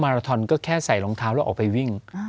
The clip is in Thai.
ราทอนก็แค่ใส่รองเท้าแล้วออกไปวิ่ง